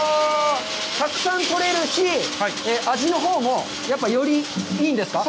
たくさん取れるし、味のほうもよりいいんですか？